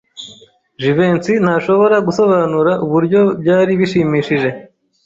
Jivency ntashobora gusobanura uburyo byari bishimishije.